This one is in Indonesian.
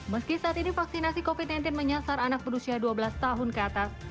meski saat ini vaksinasi covid sembilan belas menyasar anak berusia dua belas tahun ke atas